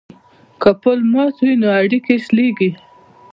که پل مات وي نو اړیکې شلیږي.